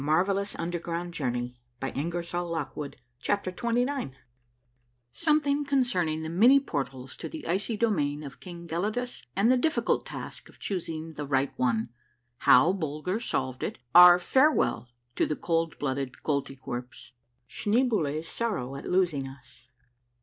200 A MARVELLOUS UNDERGROUND JOURNEY CHAPTER XXIX SOMETHING CONCERNING THE MANY PORTALS TO THE ICY DO MAIN OF KING GELIDUS AND THE DIFFICULT TASK OF CHOOS ING THE EIGHT ONE. — HOW BULGER SOLVED IT. — OUR FAREWELL TO THE COLD BLOODED KOLTYKWERPS. — schneeboule's sorrow at losing us.